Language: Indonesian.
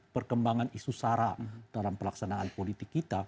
perkembangan isu sara dalam pelaksanaan politik kita